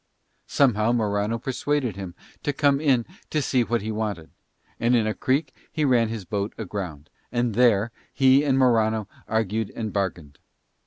Somehow Morano persuaded him to come in to see what he wanted; and in a creek he ran his boat aground, and there he and Morano argued and bargained.